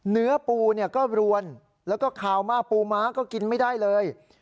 เนื้อปูก็รวนแล้วก็ขาวมากปูม้าก็กินไม่ได้เลย